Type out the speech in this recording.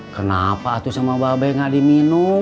kenapa atuh sama babai gak diminum